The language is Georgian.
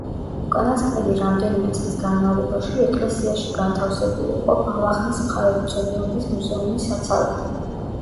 უკანასკნელი რამდენიმე წლის განმავლობაში ეკლესიაში განთავსებული იყო ბალახნის მხარეთმცოდნეობის მუზეუმის საცავები.